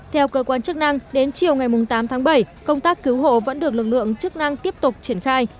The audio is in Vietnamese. theo cơ quan chức năng đến chiều ngày tám tháng bảy công tác cứu hộ vẫn được lực lượng chức năng tiếp tục triển khai